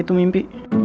gue tuh mimpi